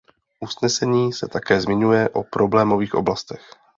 Usnesení se také zmiňuje o problémových oblastech.